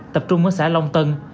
tập trung mơ xã long tân